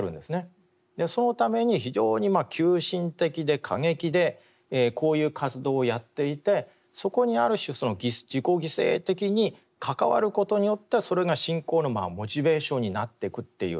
そのために非常に急進的で過激でこういう活動をやっていてそこにある種自己犠牲的に関わることによってそれが信仰のモチベーションになっていくっていう